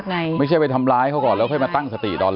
ดีเขาไม่เป็นอะไรไปนะ